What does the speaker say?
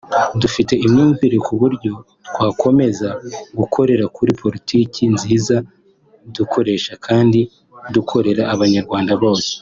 dufite imyumvire ku buryo twakomeza gukorera kuri politiki nziza dukoresha kandi dukorera abanyarwanda bose